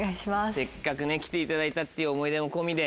せっかく来ていただいたって思い出も込みで。